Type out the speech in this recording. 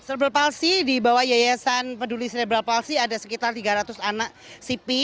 serebel palsy di bawah yayasan peduli serebral palsi ada sekitar tiga ratus anak sipi